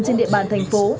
trên địa bàn thành phố